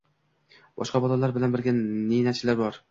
Boshqa bolalar bilan birga ninachilar bor.